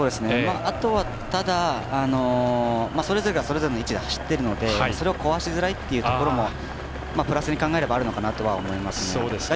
あとは、ただ、それぞれがそれぞれの位置で走っているのでそれを壊しづらいというところもプラスに考えればあるのかなと思います。